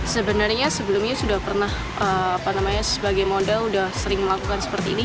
sebenarnya sebelumnya sudah pernah apa namanya sebagai model sudah sering melakukan seperti ini